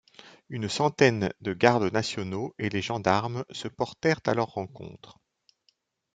Une centaine de gardes nationaux et les gendarmes se portèrent à leur rencontre.